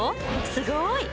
すごい！